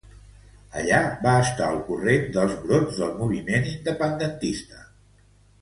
Allà, va estar al corrent dels brots del moviment independentista.